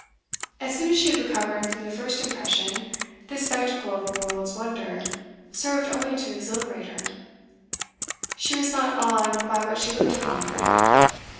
As soon as she had recovered from the first impression, this spectacle of a world's wonder served only to exhilarate her; she was not awed by what she looked upon.